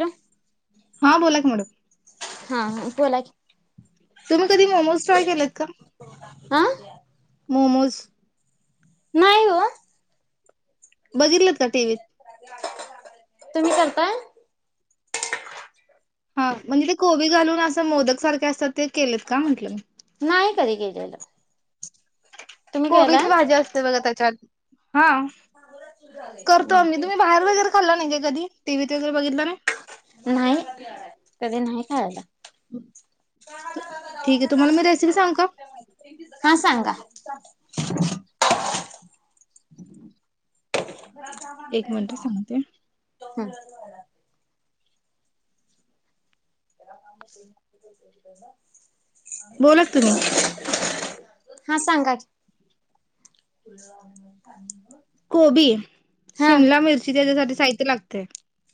या हा बोला की, मॅडम हा हा बोला की, तुम्ही कधी मोमोज ट्राय केलेत का? हा मोमोज नाहीय हो, बघितलंत, का टीव्हीत तुम्ही करताय, हा म्हणजे ते, कोबी घालून असं मोदक सारखे असतात. ते केलेत का म्हटलं मी नाही. काही गेलेलं. कोबीची भाजी असते. बघ त्याच्यात हा करतो. आम्ही तुम्ही बाहेर वगैरे, खल्लं नाही. का कधी, टीव्ही ते वैगेरे बघितला नाही. नाही कधी, नाही खायला, ठीक आहे. तुम्हाला मी रेसिपी सांगु का? हा [unintelligible] एक मिनिट सांगते. [inaudible] [inaudible] बोला, तुम्ही हा सांगा की, कोबी, हा शिमला मिर्ची त्यासाठी, साहित्य लागते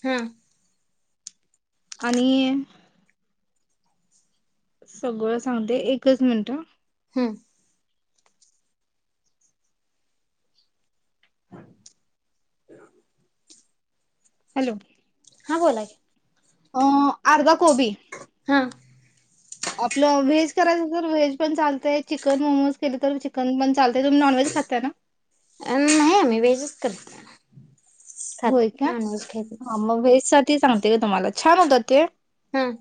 हां आणि सगळं सांगते एकच मिनटं हम हॅलो हा बोला की अं अर्धा कोबी ह करायच व्हेज पण चालतय चिकन मोमज केल तर चिकन पण चालतंय. तुम्ही नॉनव्हेज खाताय ना? अ नाही आम्ही व्हेजच करतय होय का नाही मग व्हेज साठी ते सांगते का तुम्हाला छान होतं ते... हंम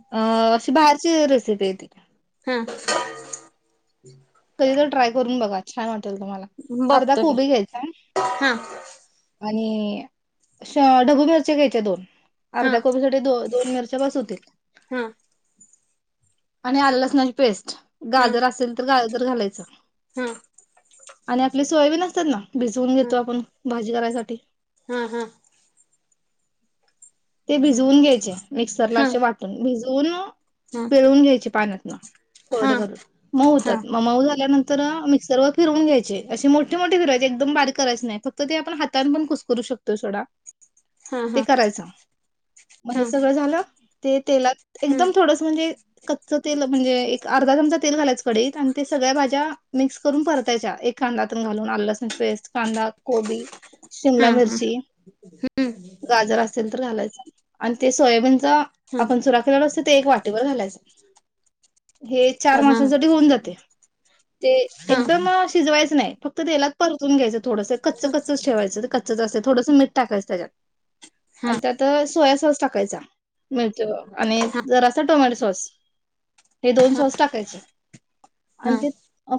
ती बाहेरची रेसिपी आहे ती हं कधी तर ट्राय करून बघा छान वा तम्हाल बघतो की हा आणि श ढबू मिरचे घ्यायचे दोन हा अर्ध्या कोबीसाठीठी दो दोन मिरच्या बस होतील हा हा आणि आलं लसणाची पेस्ट गाजर असेल तर गा जर घालायचं हम आणि आपली सोयाबीन असतात ना भिजवून घेतो आपण भाजी करायसाठी ते हम्म ते बिज भि घ्यायचे मिक्सर ला हा हा हा असे वाटून भिजू दोन पिळवून घ्यायची पाण्यात न हा कोरडे करून मऊ हा होतात मऊ झाल्यानंतर तर मिक्सर वर फिरून घ्यायचे असे मोठे मोठे फिरायचे एकदम बारीक करायच नाही फक्त ते आपण हातान पण कुसकरू शकतोय सोडा हा ते हा करायचं. मग हा हे सगळं झालं ते तेला एकदम थोडस म्हणजे ते कच्च तेल म्हणजे एक अर्धा चमचा तेल घालायचं कडीत आणि ते सगळ्या भाज्या मिक्स करून परतायच्या एक कांदयातून घालून आ लसणची पेस्ट कांदा कोबी शिमला मिरची गाजर असेल आणि ते सोयाबीन. जा हा हा आपण सुरा केला व्यवस्थित ते एक वाटीभर घालायच. हे चार हा मानसाां न साठी होऊन जाते. ह ते हा एकदम शिजवायचं नाही. फक्त तेलात परतून घ्यायचं. थोडंस कच कच ठेवायचं कच असंल थोडंस मीठ टाकायचं त्याच्यात हा आणि त्यात अं सोया सॉस टाकायचा आणि अं हा जर असा टोमॅटो सॉस हे दोन सॉस टाकायचे हा आणि ते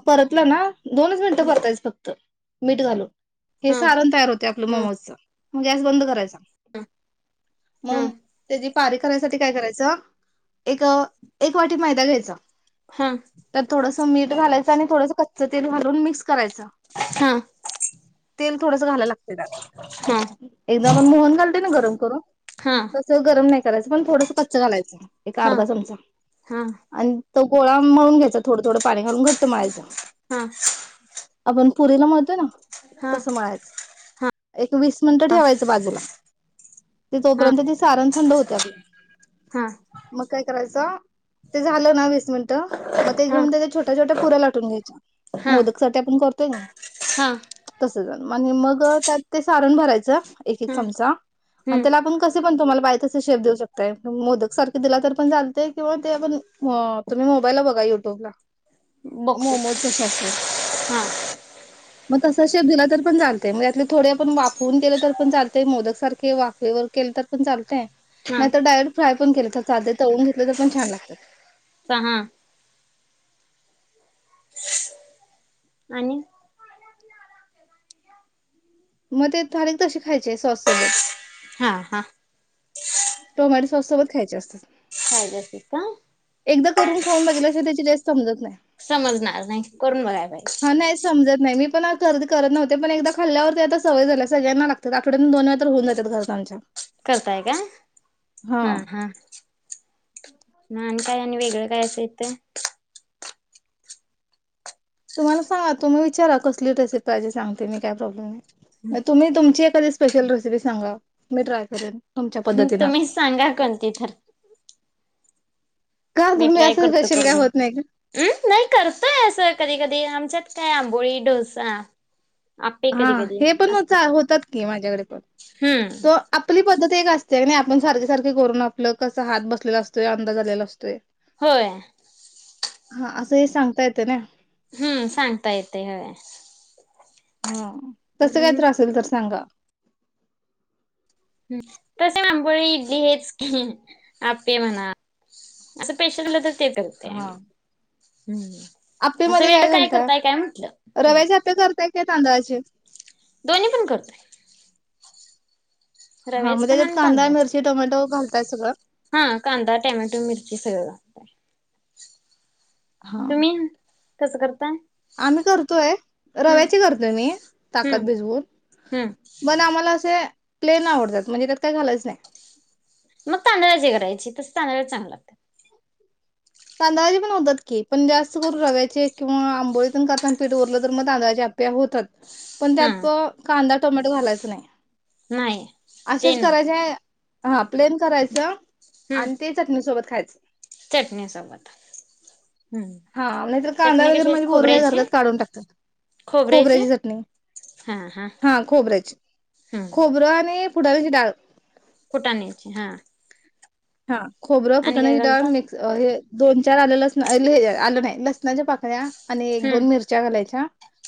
परतलं ना दोनच मिनिटं परतायच फक्त मीठ घालून हे हा सारण तयार होते आपलं हा मोमजचं. मग गॅस बंद करायचा. मगं हा त्याची पारी करायसाठी काय करायचं, एक एक वाटी मैदा घ्यायचा. हा तर थोडास मीठ घालायच आणि थोडंसं कच्च तेल घालून मिक्स करायच हा हा तेल थोडस घालायला लागत त्याला हा एकदा मोहन घाल गरम करून हा तस गरम करायचं पण थोडंसं कच्च घालायचं एक हा हा अर्धा चमचा हा आणि तो गोळा मळून घ्यायचा, थडं थोडं पाणी घालून घट्ट मळायचा. हं आपण पुरीला मिळतोय ना तसं मळायच एक तू वीस मिनिटं ठेवायचं बाजूला. ते तोपर्यंत ते सारण थंड होतेय आपल, हा मग काय करायचं? ते झालं ना वीस मिनटं? मग हा ते घऊन त्याच्या छोट्या छोट्या पुऱ्या लाटून घ्यायच्या मोदकसाठी आपण करतोय ना हां मग मग त्यात ते सारण भरायचं एक एक चमचा आणि हम्म त्याला आपण कसे पण तुम्हाला पाहिजे तसे शेप देऊ शकताय, मोदक सारखे, दिला तर पण चालते. किंवा ते आपण तुम्ही मोबाईलला बघा युट्यूबला बघते मोमोज कसे असतात हा मग तस शेप दिला तर पण चालतय, मग त्यातले थोडे आपण वाफवून केलं तर पण चालतय मोदक सारखं. वाफे वर केलं तर पण चालतय, हा नाही तर डायरेक्ट फ्राय पण केले तर चालतंय तळून घेतले तरी पण छान लागतात. सहा आणि मग ते खारी तसे खायचेय सॉस सोबत हा हा टोमॅटो सॉससोबत खायचे असतात. पाहिजे असेल का एकदा करून खाऊन बघितल्या शिवाय त्याची टेस्ट समजत नाही. समजणार नाही करून बघायला हा नाही पाहिजे. समजत नाही मी पण आदि करत नव्हते. पण एकदा खाल्ल्यावरती आता सवय झाल्या सगळ्यांना लागतात आठवड्यात दोन वेळा तर होऊन जात घरातआमच्या करताय काय हा हा नाही. काय आणि वेगळं काय असं येतंय. तुम्हाला सांगा तुम्ही विचारा कसली रेसिपी आहेजे सांगते मी काय प्रॉब्लेम नाही. हा तुम्ही तुमची एकादि स्पेशल रेसिपी सांगा मी ट्राय करेन. तुमच्या पद्धतीनं तुम्ही सांगा कोणती तर का मी तुम्ही ट्राय असं करतो स्पेशल काय करून्. होत नाही का नाही करतय अस कधी कधी आमच्यात काय आंबोळी डोसा आपे हा, कधी कधी हे पण हो अस होतात की माझ्याकडे पण हम्म तर आपली पद्धत एक असत्या की नाही. आपण सारखे सारखे करून आपलं कसं हात बसलेला असतोय अंदा झालेला असतोय. होय हा असं हे सांगता येतेय नाय. हम्म सांगता येते होय. हा तस हम् कायतर असेल तर सांगा. हम तसे आांबोळी इडली हेच की आप्पे म्हणा असं स्पेशल म्हटल तर ते करते आम्ही ते हम्म आप्पे असं मध्ये वेगळं काय घालताय करताय काय म्हटलं तुम्ही रव्याचे आप्पे करताय ते तांदळाचे दोन्ही पण करतोय. हा रव्याच मग पण त्याच्यात आणि कांदा, तांदळाच मिरची, टोमॅटो घालताय सगळं? पण हा कांदा, टोमॅटो, मिरची सगळं [inaudible] हा. तुम्ही कसं करताय? आम्ही करतोय हम्म रव्याची करतोय मी ताकात हम्म भिजवून हम्म पण आम्हाला असे प्लेन आवडतात म्हणजे त्यात काय घालयच नाही. मग तांदळाचे करायचे तस तांदळाचे चांगले लागतात. तांदळाचे पण होतात की पण जास्त करून रव्याचे किंवा आंबोळीतेन करताना पीठ उरलं तर मग तांदळाचे आप्पे होतात. पण त्यात हा प कांदा, टोमॅटो घालायच नाही. नाही ते असेच न करायचे. हा प्लेन करायच हम्म आणि ते चटणी सोबत खायचं. चटणी सोबत हम्म हा नाहीतर कांदा चटणी वगैरे कशी माजी पोर काय खोबऱ्याची करत्यात काढून टाकत्यात खोबऱ्याची चटणी हा खोबऱ्याची हम्म खोबरं आणि फुटण्याची डाळ. फुटाण्याची हा. हा. खोबर आणि काय फुटाण्याची डाळ घालता मिक्स दोन चार आलं लसणा हे अ आलं नाही लसणाच्या पाकळ्या आणि एक हम्म दोन मिरच्या घालायच्या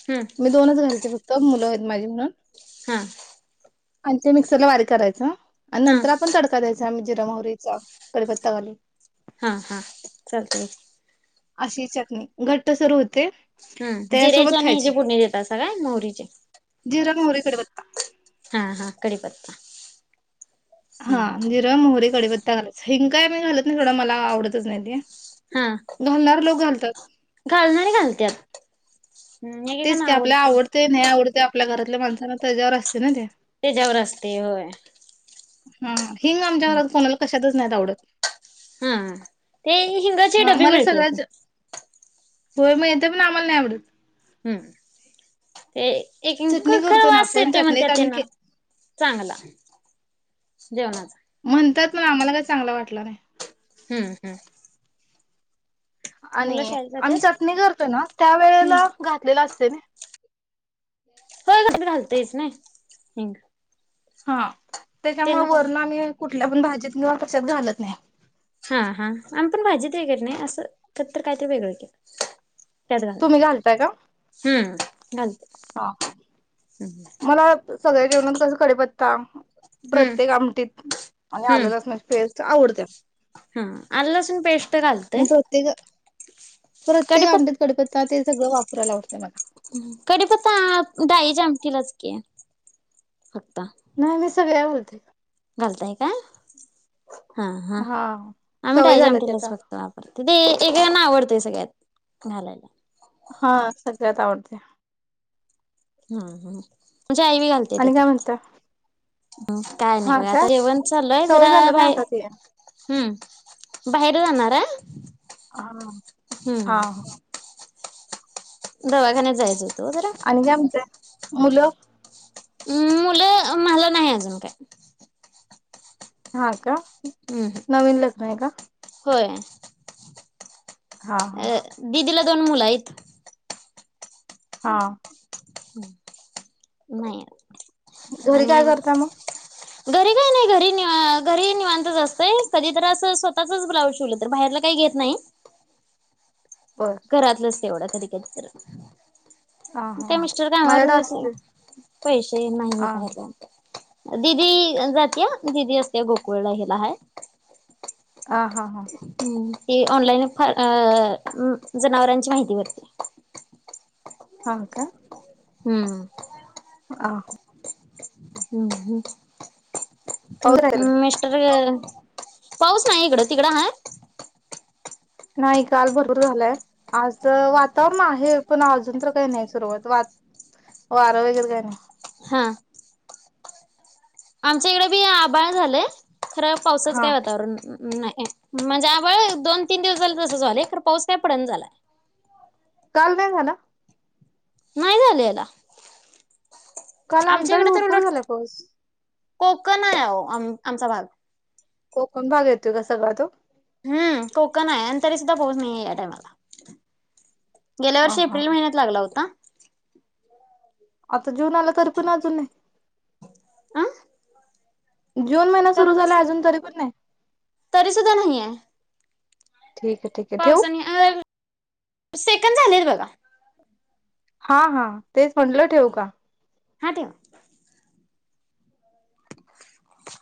हम्म मी दोनच घालते फक्त मुलं माझी मूल हा. आणि ते मिक्सरला बारीक करायचं. आणि हा नंतर आपण तडका द्यायचा मी जिर मोहरीचं कडीपता घालून हा हा चालतयं कि. अशी चटनी घट्टसर होते. हम जिऱ्याची त्यासोबत आणि ह्यजी खायची फोडणी देतासा काय मोहरीची जिरा मोहरी कडीपत्ता हा हा. कडीपत्ता. हा हम्म जिर, मोहरी, कडीप घालायचं, हिंग काय मी घालत नाही थोडं मला आवडतच नाही ते. हा घालणारी लोक घालत तर घालणारे घालत्यात. हम्म तेच एकेकांना कि आपल्याला आवडतंय आवडतय नाही आवडतय आप आपल्या घरातल्या माणसांना त्याच्यावर असतयं ना ते. त्याच्यावर असतंय होय. हम. हिंग आमच्यारात कोणाला कशात? नाही आवडत. हा ते हिंगाचे हा डबी मला मिळते का? सगळ्याच होय मिळतंय पण आम्हाला नाही आवडत. हम्म. एक चटणी खर करतो ना वाच आपण येतोय मण त्या चटणीत आम्ही त्यांना के चांगला जेवणच. म्हणतात ना आम्हाला काय चांगला वाटलं नाही. हम्म हम्म. मुलं आणि शाळेत आम्ही जात्यात? चटणी करतोय ना हम्म. त्यावेळेला घातलेल असतय नी [inaudible] हा [inaudible] त्यानं त्याच्यामुळे काय वरण आणि कुठल्या पण भाजीत कवा कशातक् घालत नाही. हा हा काय तर वेगळ तुम्ही घालताय का? [inaudible] हम्म. [unintelligible] हा हा मला सगळ्या जेवणात कसं कढीपत्ता हम्म प्रत्येक आमटीत आणि आलं हम्म लसणाची पेस्ट. आवडत्या हा आलं लसूण पेस्ट घालतोय. [inaudible] प्रत्येक आमटीत कढीपत्ता तर ते सगळ वापरायलावतं. कढीपत्ता डाळीच्या आमटीलाच की ह नाही मी सगळे होत. त चालतय का. हा हा आम्ही सवय डाळीच्या झालं ते आमटीलाच आता. फक्त एकेकांना आवडतं. ते सगळ्यात घालायचं. हा सगळ्यात आवडतय. हा हम. म्हणजे आई मी घालते आणि तकडे काय म्हणता? ह काय नाही हा बघ का? आता जेवण चालल आहे सवय जरा झालं ना बाई आता ते. हम्म बाहेर जाणाराय हा हा दवाखान्यात जायचंय आणि काय म्हणताय मुलं हम् मुलं मला नाही अजून काय हा का हम्म नवीन लग्न आहे का होय हा हा अ दीदीला दोन मुला आहेत हा नाही घरी आणि काय करता मग घरी काही नाही घरी घरी निवांतच असतय कधी तर असं स्वतःचच ब्लाऊज शिवलं तर बाहेरल काही घेत नाही. बर घरातलंच एवढं कधी कधी तर हा हा. चे मिस्टर कामावर माझ्याकडे गेलेत असते. ना पैसे आ नाही दिदी जातेया दिदी असते गोकुळेला हिला हाय ह हा हा त ऑनलाईन अ जनावरांची माहिती भरली हा का हम्म अह हम्म ह् तु पाऊस आहे तिकडं? मिस्टर पाऊस नाही इकडं, तिकडं हाय? नाही काल भरपूर झालाय, आज वातावरण आहे पण अजून तर काही नाही सुरुवात, वात् वारं वगैरे काही नाही. हा आमच्या इकडे बी आबाळ झालंय खरं पावसाचं हा काय वातावरण नाही म्हणजे आभाळ दोन तीन दिवस झाले तसं झालंय पण पाऊस काही पडना झालाय काल नाही झाला? नाही झालेला काल आमच्या आमच्याकडे इकडे तर भरपूर उलट झाला पाउस कोकण आहे आहो आम आमचा भाग कोकण भाग येतोय का सगळा तो हम्म कोकण आहे आणि तरी सुद्धा पाऊस नाहीे हाय या टाइमाला. गेल्या अ वर्षी हा एप्रिल हा महिन्यात लागला होता. आता जुन आला तरी पण अजून नाही. अ? जून महिना सुरू झाला अजून तरी पण नाही? तरी सुुद्धा नाही हाय. ठीक आहे ठीक आहे ठेवू पावसाने अ, सेकंद झालेत बघा. हा हा. तेच म्हटलं ठेवू का? हां ठेवा.